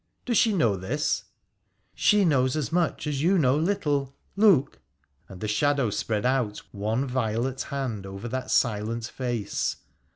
Does she know this ?'' She knows as much as you know little. Look !' and the shadow spread out one violet hand over that silent face.